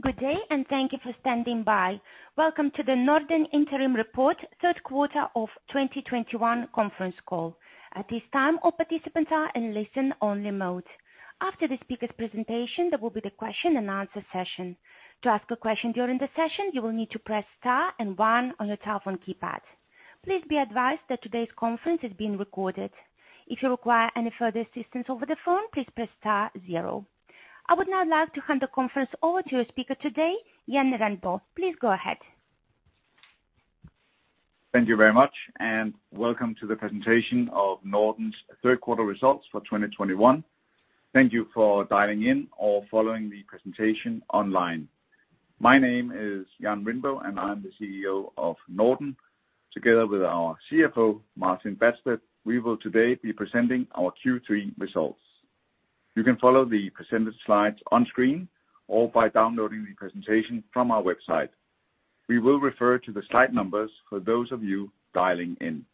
Good day, and thank you for standing by. Welcome to the NORDEN Interim Report, third quarter of 2021 conference call. At this time, all participants are in listen-only mode. After the speaker's presentation, there will be the question and answer session. To ask a question during the session, you will need to press star and one on your telephone keypad. Please be advised that today's conference is being recorded. If you require any further assistance over the phone, please press star zero. I would now like to hand the conference over to your speaker today, Jan Rindbo. Please go ahead. Thank you very much, and welcome to the presentation of NORDEN's third quarter results for 2021. Thank you for dialing in or following the presentation online. My name is Jan Rindbo, and I'm the CEO of NORDEN. Together with our CFO, Martin Badsted, we will today be presenting our Q3 results. You can follow the presented slides on screen or by downloading the presentation from our website. We will refer to the slide numbers for those of you dialing in.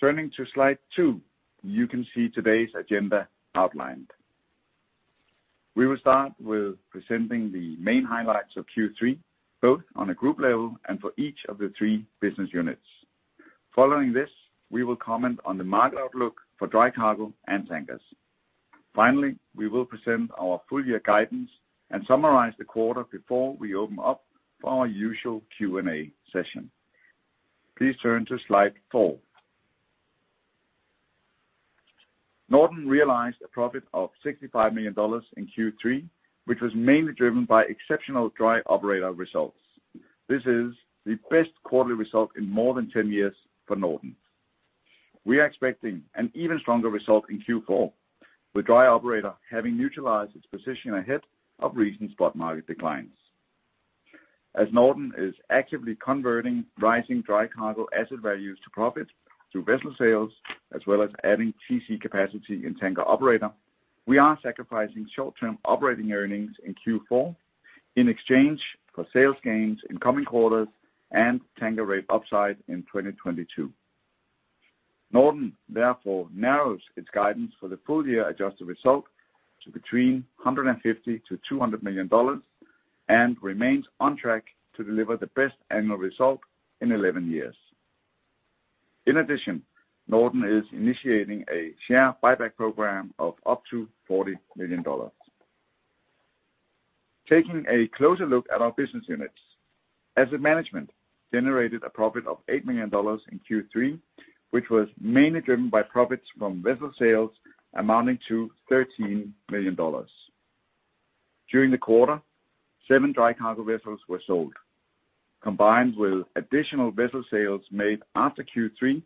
Turning to slide two, you can see today's agenda outlined. We will start with presenting the main highlights of Q3, both on a group level and for each of the three business units. Following this, we will comment on the market outlook for dry cargo and tankers. Finally, we will present our full year guidance and summarize the quarter before we open up for our usual Q&A session. Please turn to slide four. NORDEN realized a profit of $65 million in Q3, which was mainly driven by exceptional Dry Operator results. This is the best quarterly result in more than 10 years for NORDEN. We are expecting an even stronger result in Q4, with Dry Operator having neutralized its position ahead of recent spot market declines. As NORDEN is actively converting rising dry cargo asset values to profit through vessel sales, as well as adding TC capacity in Tanker Operator, we are sacrificing short term operating earnings in Q4 in exchange for sales gains in coming quarters and tanker rate upside in 2022. NORDEN therefore narrows its guidance for the full year adjusted result to between $150 million-$200 million, and remains on track to deliver the best annual result in 11 years. In addition, NORDEN is initiating a share buyback program of up to $40 million. Taking a closer look at our business units. Asset Management generated a profit of $8 million in Q3, which was mainly driven by profits from vessel sales amounting to $13 million. During the quarter, seven dry cargo vessels were sold. Combined with additional vessel sales made after Q3,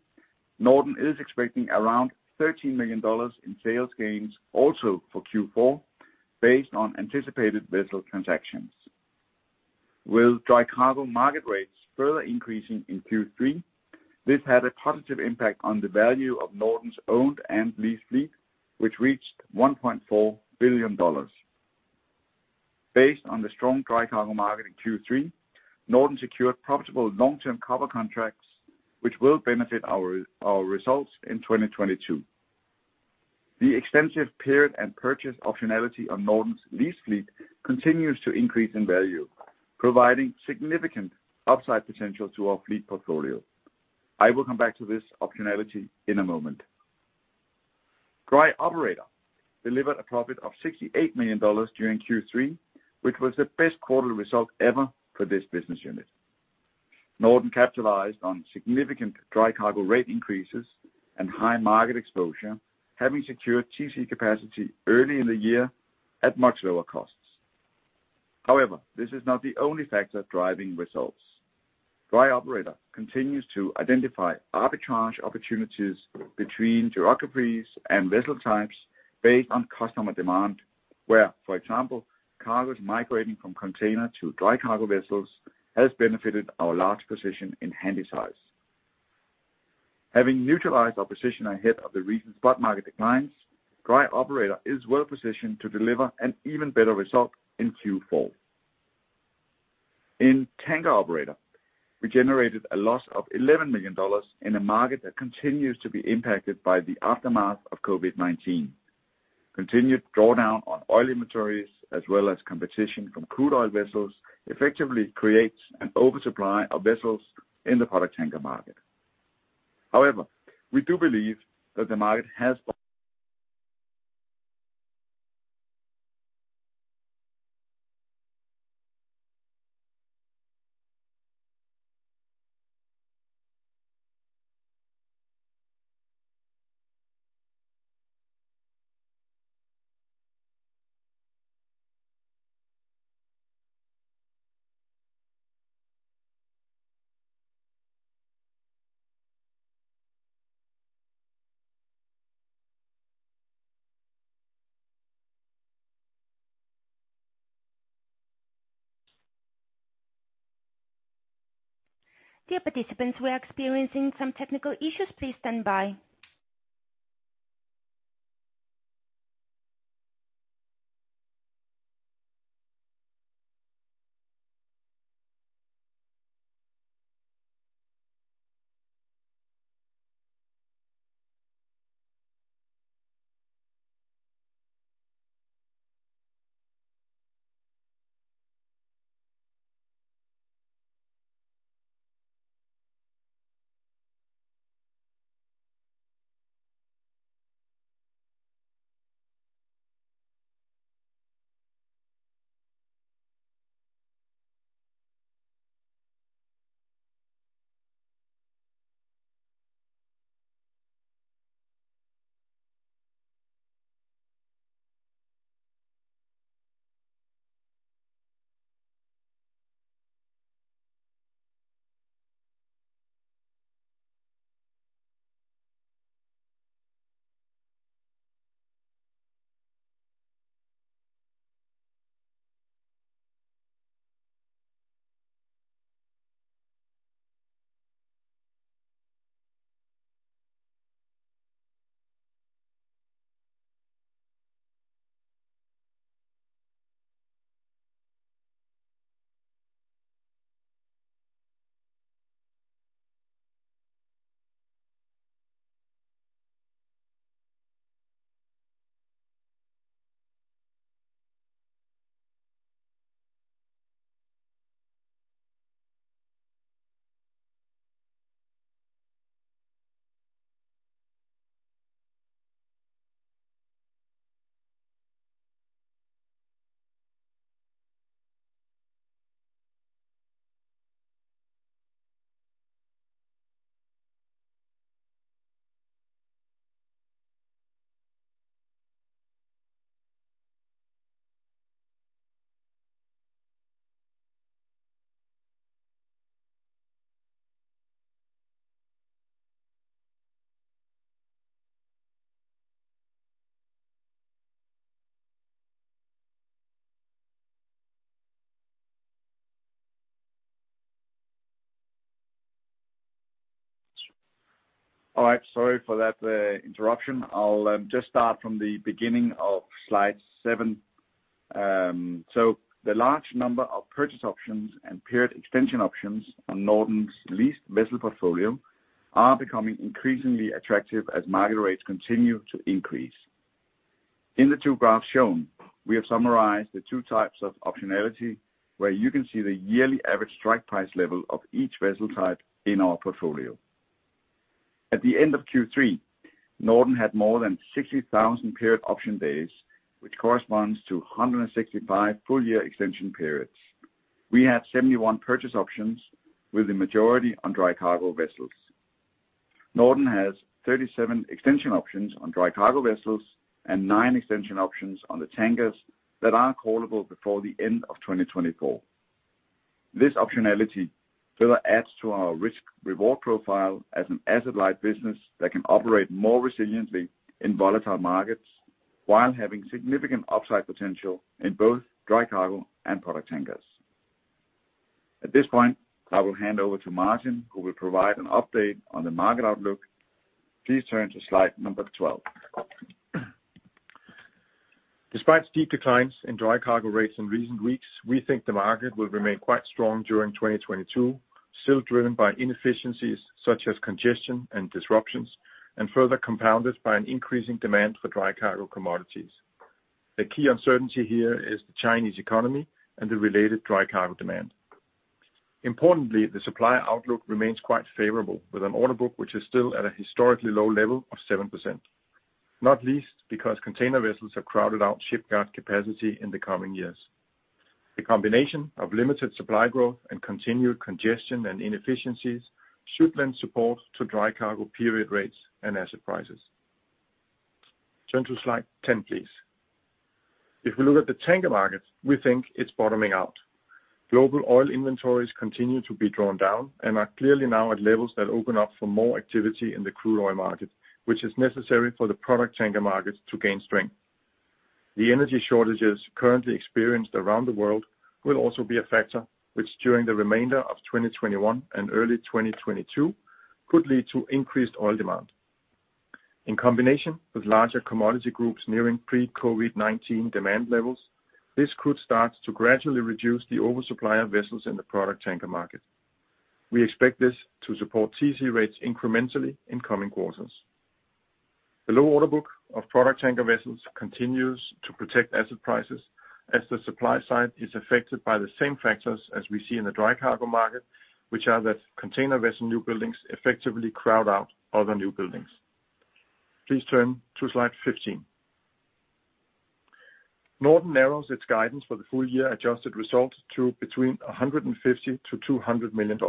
NORDEN is expecting around $13 million in sales gains also for Q4 based on anticipated vessel transactions. With dry cargo market rates further increasing in Q3, this had a positive impact on the value of NORDEN's owned and leased fleet, which reached $1.4 billion. Based on the strong dry cargo market in Q3, NORDEN secured profitable long-term cover contracts, which will benefit our results in 2022. The extensive period and purchase optionality on NORDEN's lease fleet continues to increase in value, providing significant upside potential to our fleet portfolio. I will come back to this optionality in a moment. Dry Operator delivered a profit of $68 million during Q3, which was the best quarterly result ever for this business unit. NORDEN capitalized on significant dry cargo rate increases and high market exposure, having secured TC capacity early in the year at much lower costs. However, this is not the only factor driving results. Dry Operator continues to identify arbitrage opportunities between geographies and vessel types based on customer demand, where, for example, cargos migrating from container to dry cargo vessels has benefited our large position in Handysize. Having neutralized our position ahead of the recent spot market declines, Dry Operator is well positioned to deliver an even better result in Q4. In Tanker Operator, we generated a loss of $11 million in a market that continues to be impacted by the aftermath of COVID-19. Continued drawdown on oil inventories, as well as competition from crude oil vessels, effectively creates an oversupply of vessels in the product tanker market. However, we do believe that the market has. Dear participants, we're experiencing some technical issues. Please stand by. All right. Sorry for that, interruption. I'll just start from the beginning of slide seven. The large number of purchase options and period extension options on NORDEN's leased vessel portfolio are becoming increasingly attractive as market rates continue to increase. In the two graphs shown, we have summarized the two types of optionality where you can see the yearly average strike price level of each vessel type in our portfolio. At the end of Q3, NORDEN had more than 60,000 period option days, which corresponds to 165 full year extension periods. We had 71 purchase options with the majority on dry cargo vessels. NORDEN has 37 extension options on dry cargo vessels and nine extension options on the tankers that are callable before the end of 2024. This optionality further adds to our risk reward profile as an asset-light business that can operate more resiliently in volatile markets while having significant upside potential in both dry cargo and product tankers. At this point, I will hand over to Martin, who will provide an update on the market outlook. Please turn to slide number 12. Despite steep declines in dry cargo rates in recent weeks, we think the market will remain quite strong during 2022, still driven by inefficiencies such as congestion and disruptions, and further compounded by an increasing demand for dry cargo commodities. The key uncertainty here is the Chinese economy and the related dry cargo demand. Importantly, the supply outlook remains quite favorable with an order book which is still at a historically low level of 7%, not least because container vessels have crowded out shipyard capacity in the coming years. The combination of limited supply growth and continued congestion and inefficiencies should lend support to dry cargo period rates and asset prices. Turn to slide 10, please. If we look at the tanker market, we think it's bottoming out. Global oil inventories continue to be drawn down and are clearly now at levels that open up for more activity in the crude oil market, which is necessary for the product tanker market to gain strength. The energy shortages currently experienced around the world will also be a factor which during the remainder of 2021 and early 2022 could lead to increased oil demand. In combination with larger commodity groups nearing pre-COVID-19 demand levels, this could start to gradually reduce the oversupply of vessels in the product tanker market. We expect this to support TC rates incrementally in coming quarters. The low order book of product tanker vessels continues to protect asset prices as the supply side is affected by the same factors as we see in the dry cargo market, which are that container vessel new buildings effectively crowd out other new buildings. Please turn to slide 15. NORDEN narrows its guidance for the full year adjusted result to between $150 million-$200 million.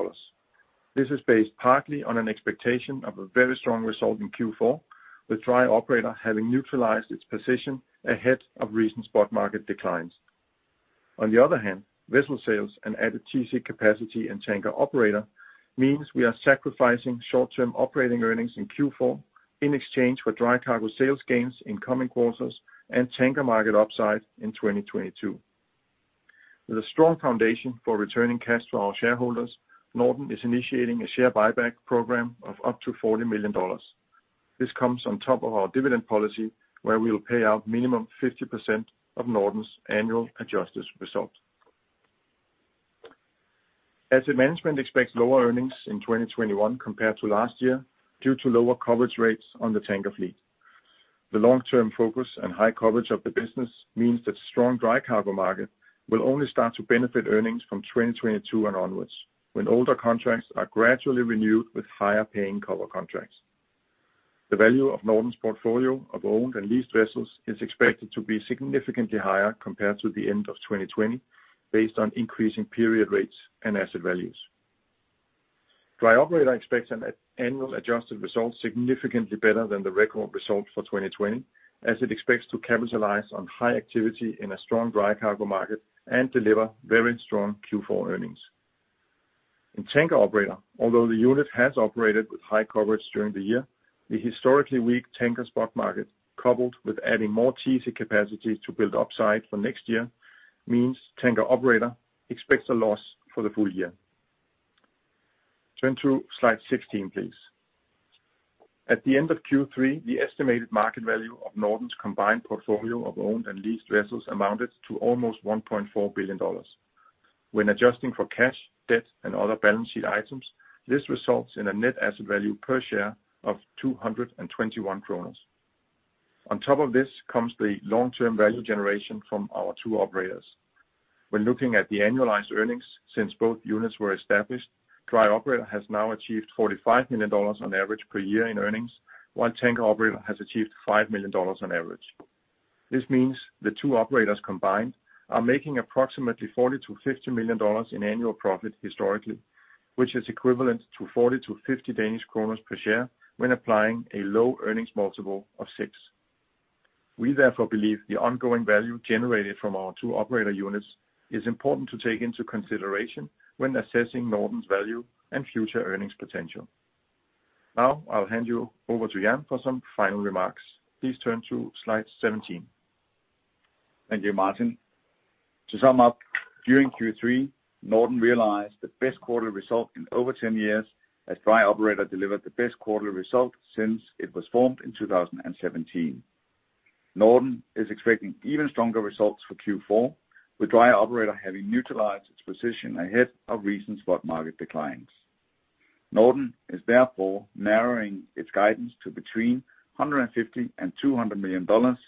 This is based partly on an expectation of a very strong result in Q4, with Dry Operator having neutralized its position ahead of recent spot market declines. On the other hand, vessel sales and added TC capacity in Tanker Operator means we are sacrificing short-term operating earnings in Q4 in exchange for dry cargo sales gains in coming quarters and tanker market upside in 2022. With a strong foundation for returning cash to our shareholders, NORDEN is initiating a share buyback program of up to $40 million. This comes on top of our dividend policy where we will pay out minimum 50% of NORDEN's annual adjusted result. Asset Management expects lower earnings in 2021 compared to last year due to lower coverage rates on the tanker fleet. The long term focus and high coverage of the business means that strong dry cargo market will only start to benefit earnings from 2022 and onwards, when older contracts are gradually renewed with higher paying coverage contracts. The value of NORDEN's portfolio of owned and leased vessels is expected to be significantly higher compared to the end of 2020, based on increasing period rates and asset values. Dry Operator expects an annual adjusted result significantly better than the record result for 2020, as it expects to capitalize on high activity in a strong dry cargo market and deliver very strong Q4 earnings. In Tanker Operator, although the unit has operated with high coverage during the year, the historically weak tanker spot market, coupled with adding more TC capacity to build upside for next year, means Tanker Operator expects a loss for the full year. Turn to slide 16, please. At the end of Q3, the estimated market value of NORDEN's combined portfolio of owned and leased vessels amounted to almost $1.4 billion. When adjusting for cash, debt, and other balance sheet items, this results in a net asset value per share of 221 kroner. On top of this comes the long term value generation from our two operators. When looking at the annualized earnings since both units were established, Dry Operator has now achieved $45 million on average per year in earnings, while Tanker Operator has achieved $5 million on average. This means the two operators combined are making approximately $40-$50 million in annual profit historically, which is equivalent to 40-50 Danish kroner per share when applying a low earnings multiple of 6. We therefore believe the ongoing value generated from our two operator units is important to take into consideration when assessing NORDEN's value and future earnings potential. Now I'll hand you over to Jan for some final remarks. Please turn to slide 17. Thank you, Martin. To sum up, during Q3, NORDEN realized the best quarterly result in over 10 years as Dry Operator delivered the best quarterly result since it was formed in 2017. NORDEN is expecting even stronger results for Q4, with Dry Operator having neutralized its position ahead of recent spot market declines. NORDEN is therefore narrowing its guidance to between $150 million and $200 million,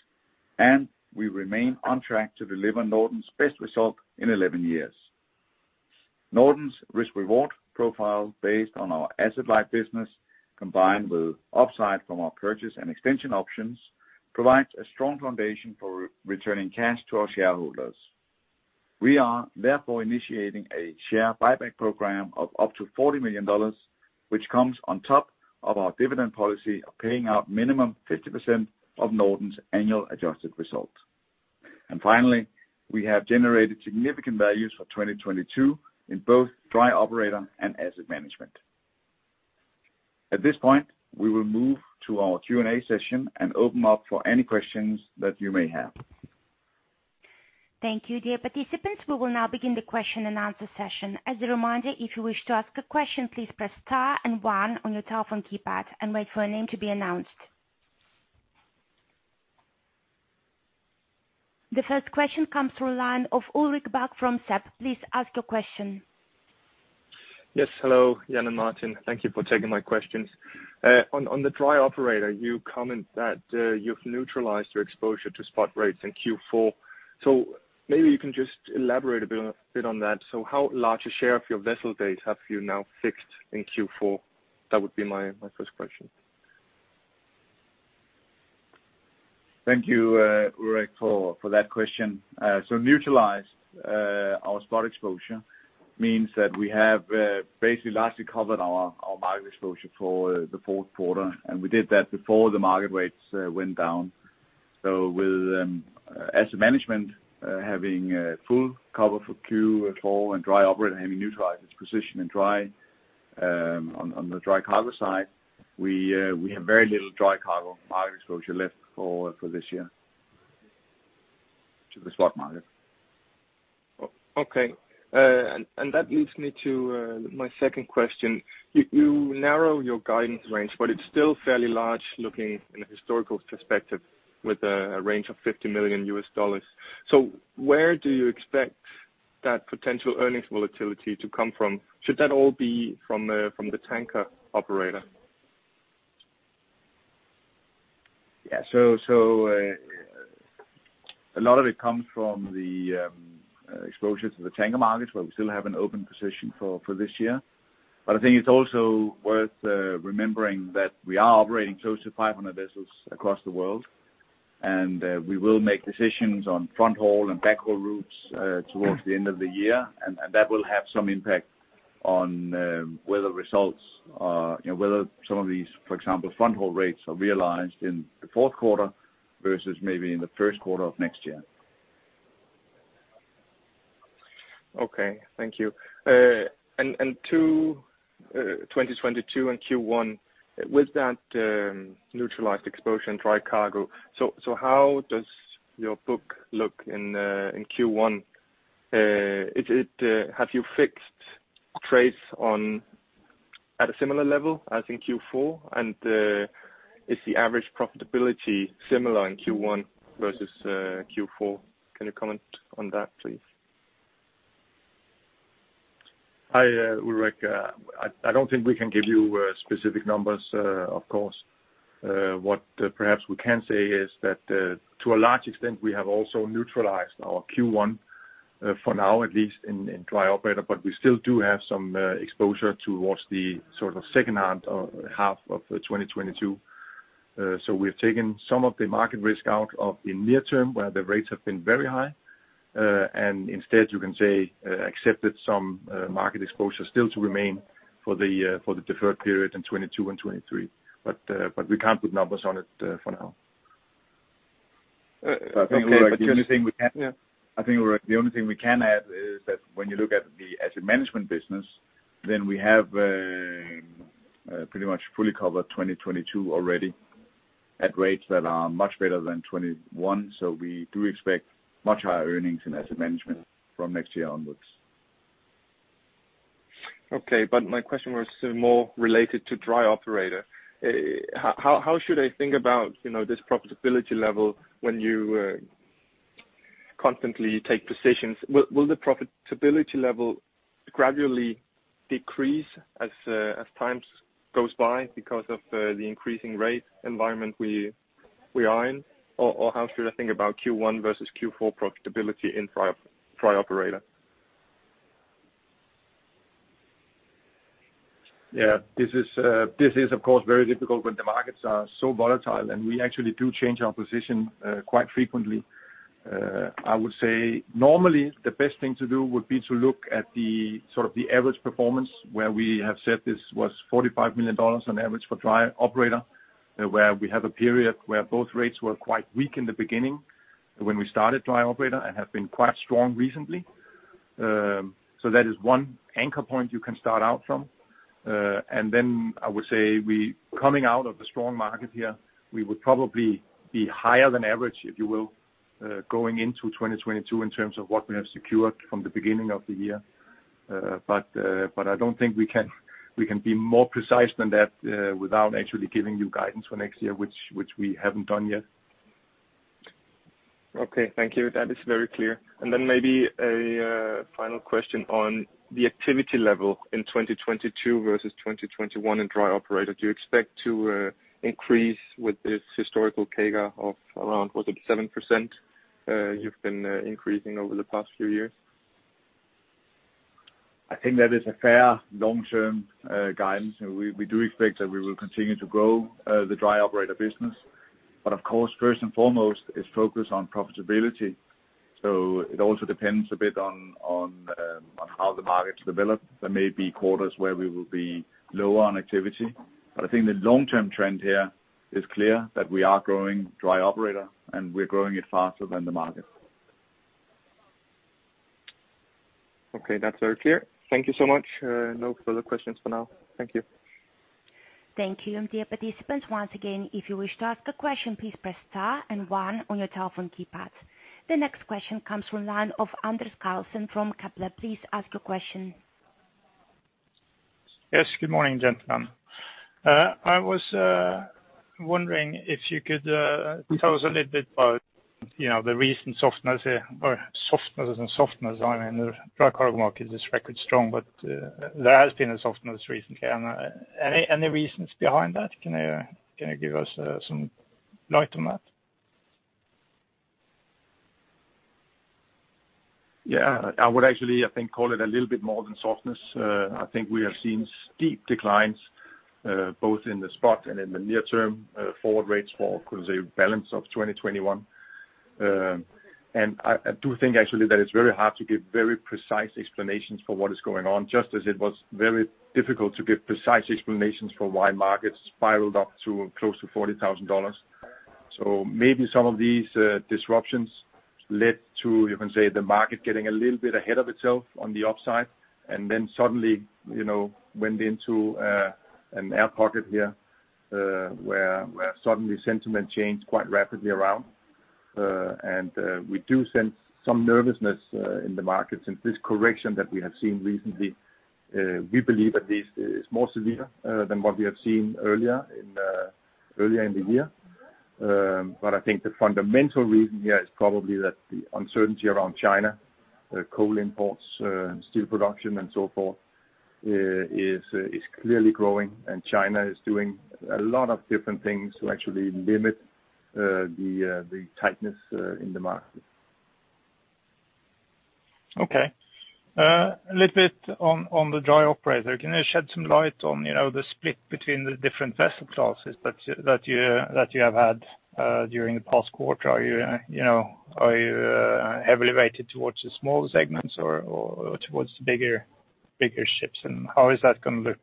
and we remain on track to deliver NORDEN's best result in 11 years. NORDEN's risk reward profile based on our asset-light business, combined with upside from our purchase and extension options, provides a strong foundation for returning cash to our shareholders. We are therefore initiating a share buyback program of up to $40 million, which comes on top of our dividend policy of paying out minimum 50% of NORDEN's annual adjusted result. Finally, we have generated significant values for 2022 in both Dry Operator and Asset Management. At this point, we will move to our Q&A session and open up for any questions that you may have. Thank you, dear participants. We will now begin the question and answer session. As a reminder, if you wish to ask a question, please press star and one on your telephone keypad and wait for your name to be announced. The first question comes from the line of Ulrik Bak from SEB. Please ask your question. Yes. Hello, Jan and Martin. Thank you for taking my questions. On the Dry Operator, you comment that you've neutralized your exposure to spot rates in Q4. Maybe you can just elaborate a bit on that. How large a share of your vessel days have you now fixed in Q4? That would be my first question. Thank you, Ulrik, for that question. Neutralized our spot exposure means that we have basically largely covered our market exposure for the fourth quarter, and we did that before the market rates went down. With Asset Management having full cover for Q4 and Dry Operator having neutralized its position in dry on the dry cargo side, we have very little dry cargo market exposure left for this year to the spot market. Okay. That leads me to my second question. You narrow your guidance range, but it's still fairly large looking in a historical perspective with a range of $50 million. Where do you expect that potential earnings volatility to come from? Should that all be from the Tanker Operator? Yeah. A lot of it comes from the exposure to the tanker markets, where we still have an open position for this year. But I think it's also worth remembering that we are operating close to 500 vessels across the world, and we will make decisions on fronthaul and backhaul routes towards the end of the year. That will have some impact on whether results are, you know, whether some of these, for example, fronthaul rates are realized in the fourth quarter versus maybe in the first quarter of next year. Okay. Thank you. To 2022 and Q1, with that neutralized exposure in dry cargo, how does your book look in Q1? Have you fixed trades at a similar level as in Q4, and is the average profitability similar in Q1 versus Q4? Can you comment on that, please? Ulrik, I don't think we can give you specific numbers, of course. What perhaps we can say is that to a large extent, we have also neutralized our Q1 for now at least in Dry Operator, but we still do have some exposure towards the sort of second half of 2022. We've taken some of the market risk out of the near term, where the rates have been very high. Instead, you can say accepted some market exposure still to remain for the deferred period in 2022 and 2023. We can't put numbers on it for now. Okay. The only thing we can I think, Ulrik, the only thing we can add is that when you look at the Asset Management business, then we have pretty much fully covered 2022 already at rates that are much better than 2021. We do expect much higher earnings in Asset Management from next year onwards. Okay. My question was more related to Dry Operator. How should I think about, you know, this profitability level when you constantly take positions? Will the profitability level gradually decrease as time goes by because of the increasing rate environment we are in? Or how should I think about Q1 versus Q4 profitability in Dry Operator? Yeah. This is of course very difficult when the markets are so volatile, and we actually do change our position quite frequently. I would say normally the best thing to do would be to look at the sort of the average performance where we have said this was $45 million on average for Dry Operator, where we have a period where both rates were quite weak in the beginning when we started Dry Operator and have been quite strong recently. So that is one anchor point you can start out from. Then I would say we, coming out of the strong market here, we would probably be higher than average, if you will, going into 2022 in terms of what we have secured from the beginning of the year. I don't think we can be more precise than that without actually giving you guidance for next year, which we haven't done yet. Okay. Thank you. That is very clear. Maybe a final question on the activity level in 2022 versus 2021 in Dry Operator. Do you expect to increase with this historical CAGR of around, was it 7%, you've been increasing over the past few years? I think that is a fair long-term guidance, and we do expect that we will continue to grow the Dry Operator business. Of course, first and foremost, it's focused on profitability, so it also depends a bit on how the markets develop. There may be quarters where we will be lower on activity. I think the long-term trend here is clear that we are growing Dry Operator, and we're growing it faster than the market. Okay. That's very clear. Thank you so much. No further questions for now. Thank you. Thank you. Dear participants, once again, if you wish to ask a question, please press star and one on your telephone keypad. The next question comes from the line of Anders Karlsen from Kepler. Please ask your question. Yes. Good morning, gentlemen. I was wondering if you could tell us a little bit about, you know, the recent softness. I mean, the dry cargo market is record strong, but there has been a softness recently. Any reasons behind that? Can you give us some light on that? Yeah. I would actually, I think, call it a little bit more than softness. I think we have seen steep declines, both in the spot and in the near term, forward rates for, call it, the balance of 2021. I do think actually that it's very hard to give very precise explanations for what is going on, just as it was very difficult to give precise explanations for why markets spiraled up to close to $40,000. Maybe some of these disruptions led to, you can say, the market getting a little bit ahead of itself on the upside and then suddenly, you know, went into an air pocket here, where suddenly sentiment changed quite rapidly around. We do sense some nervousness in the markets. This correction that we have seen recently, we believe at least is more severe than what we have seen earlier in the year. I think the fundamental reason here is probably that the uncertainty around China coal imports and steel production and so forth is clearly growing. China is doing a lot of different things to actually limit the tightness in the market. Okay. A little bit on the Dry Operator. Can you shed some light on, you know, the split between the different vessel classes that you have had during the past quarter? Are you know, heavily weighted towards the smaller segments or towards the bigger ships, and how is that gonna look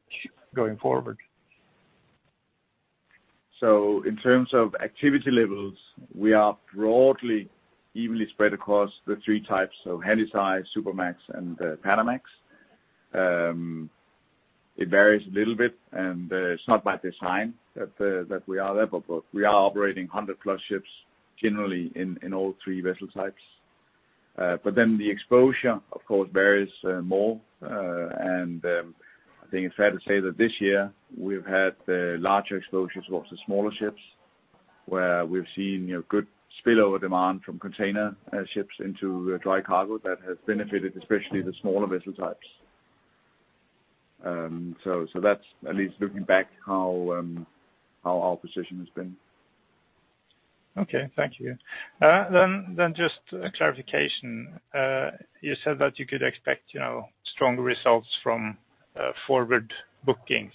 going forward? In terms of activity levels, we are broadly evenly spread across the three types. Handysize, Supramax, and Panamax. It varies a little bit, and it's not by design that that we are there. We are operating 100+ ships generally in all three vessel types. The exposure, of course, varies more. I think it's fair to say that this year we've had larger exposures of the smaller ships where we've seen, you know, good spillover demand from container ships into dry cargo that has benefited, especially the smaller vessel types. That's at least looking back how our position has been. Okay. Thank you. Just a clarification. You said that you could expect, you know, strong results from forward bookings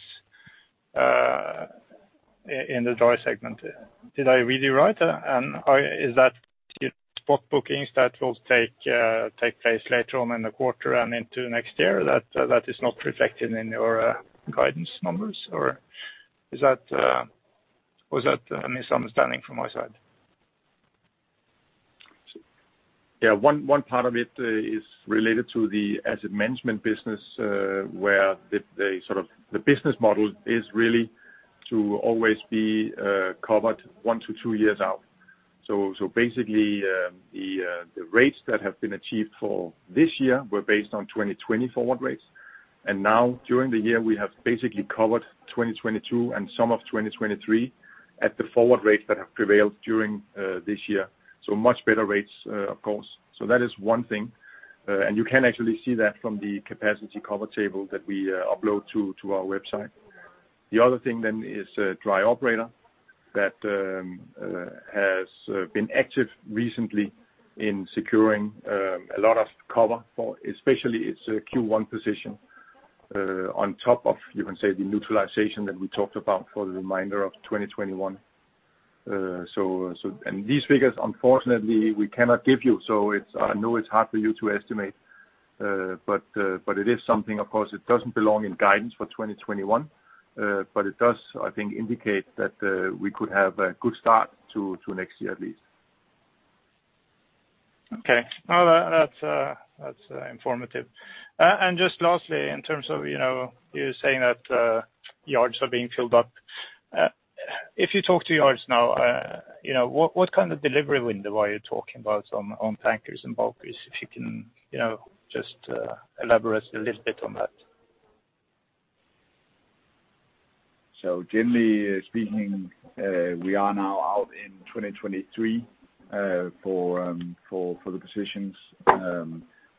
in the dry segment. Did I read you right? Is that spot bookings that will take place later on in the quarter and into next year that is not reflected in your guidance numbers? Or was that a misunderstanding from my side? Yeah. One part of it is related to the Asset Management business, where the sort of business model is really to always be covered one to two years out. Basically, the rates that have been achieved for this year were based on 2020 forward rates. Now during the year, we have basically covered 2022 and some of 2023 at the forward rates that have prevailed during this year. Much better rates, of course. That is one thing. You can actually see that from the capacity cover table that we upload to our website. The other thing is Dry Operator that has been active recently in securing a lot of cover for especially its Q1 position, on top of, you can say, the neutralization that we talked about for the remainder of 2021. These figures, unfortunately, we cannot give you. I know it's hard for you to estimate, but it is something, of course, it doesn't belong in guidance for 2021. It does, I think, indicate that we could have a good start to next year, at least. Okay. No, that's informative. Just lastly, in terms of, you know, you saying that, yards are being filled up. If you talk to yards now, you know, what kind of delivery window are you talking about on tankers and bulkers, if you can, you know, just elaborate a little bit on that. Generally speaking, we are now out in 2023 for the positions.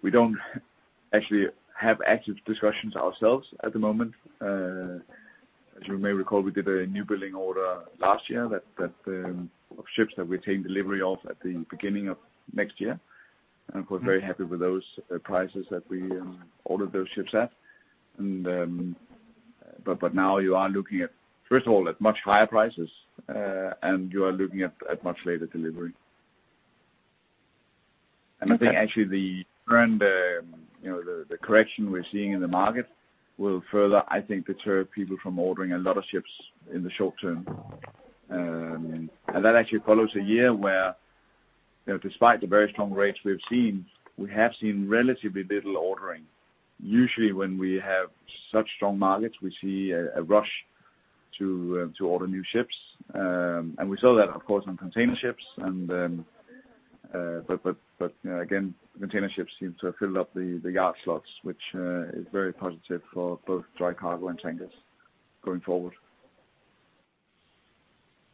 We don't actually have active discussions ourselves at the moment. As you may recall, we did a new building order last year that of ships that we take delivery of at the beginning of next year, and we're very happy with those prices that we ordered those ships at. But now you are looking at, first of all, much higher prices, and you are looking at much later delivery. I think actually the current, you know, the correction we're seeing in the market will further, I think, deter people from ordering a lot of ships in the short term. That actually follows a year where, you know, despite the very strong rates we have seen, we have seen relatively little ordering. Usually when we have such strong markets, we see a rush to order new ships. We saw that of course on container ships and, but again, container ships seem to have filled up the yard slots, which is very positive for both dry cargo and tankers going forward.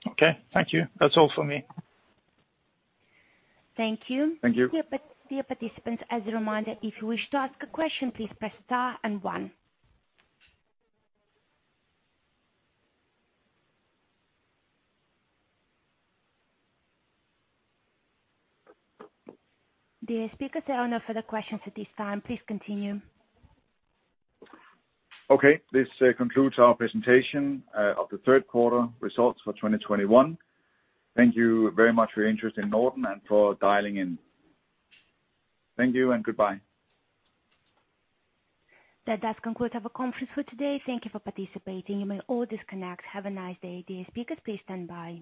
Okay. Thank you. That's all for me. Thank you. Thank you. Dear participants, as a reminder, if you wish to ask a question, please press star and one. Dear speakers, there are no further questions at this time. Please continue. Okay. This concludes our presentation of the third quarter results for 2021. Thank you very much for your interest in NORDEN and for dialing in. Thank you and goodbye. That does conclude our conference for today. Thank you for participating. You may all disconnect. Have a nice day. Dear speakers, please stand by.